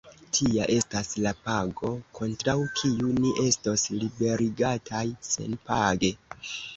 Tia estas la pago, kontraŭ kiu ni estos liberigataj senpage!